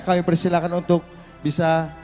kami persilahkan untuk bisa